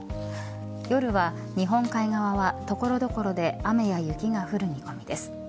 夜は日本海側は所々で雨や雪が降る見込みです。